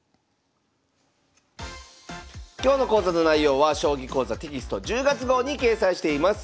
今日の講座の内容は「将棋講座」テキスト１０月号に掲載しています。